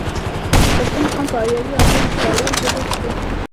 د پښتو مقام پۀ اريائي او نورو زړو ژبو کښې